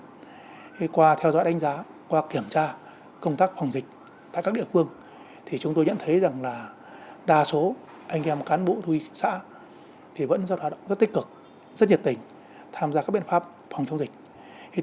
thì qua theo dõi đánh giá qua kiểm tra công tác phòng dịch tại các địa phương thì chúng tôi nhận thấy rằng là đa số anh em cán bộ thú y xã thì vẫn do hoạt động rất tích cực rất nhiệt tình tham gia các biện pháp phòng chống dịch